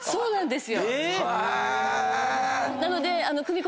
そうなんです。